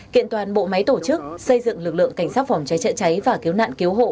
kiện toàn bộ máy tổ chức xây dựng lực lượng cảnh sát phòng cháy chữa cháy và cứu nạn cứu hộ